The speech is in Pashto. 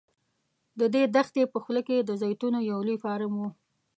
د دې دښتې په خوله کې د زیتونو یو لوی فارم و.